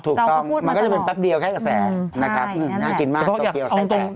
ถูกต้องมันก็จะเป็นแป๊บเดียวแค่กับแสงนะครับน่ากินมากต้องเกี่ยวกับแสงแปดใช่นั่นแหละ